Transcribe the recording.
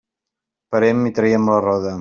Parem i traiem la roda.